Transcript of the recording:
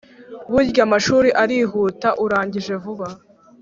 burya amashuri arihuta urangije vuba